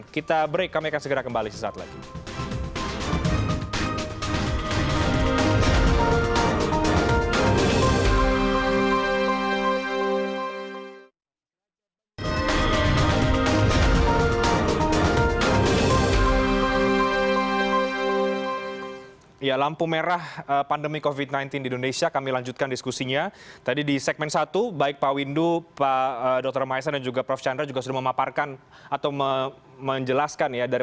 kita break kami akan segera kembali sesaat lagi